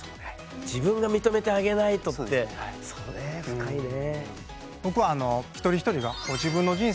自分が認めてあげないとってそうね深いね。